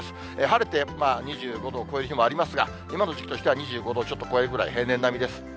晴れて２５度を超える日もありますが、今の時期としては２５度をちょっと超えるぐらい、平年並みです。